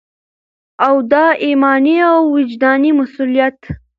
او دا ایماني او وجداني مسؤلیت